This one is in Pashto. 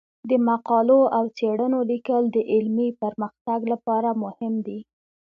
د مقالو او څیړنو لیکل د علمي پرمختګ لپاره مهم دي.